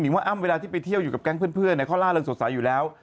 ว่าอ้ำเวลาที่ไปเที่ยวอยู่กับแก๊งเพื่อนเขาล่าเริงสดใสอยู่แล้ว